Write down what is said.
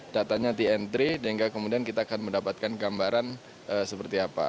datanya di entry sehingga kemudian kita akan mendapatkan gambaran seperti apa